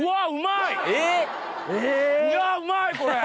いやぁうまいこれ！